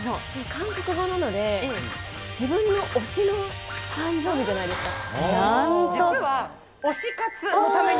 韓国語なので、自分の推しの誕生日じゃないですか。